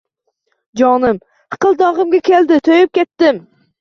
Jonim hiqildogʻimga keldi, toʻyib ketdim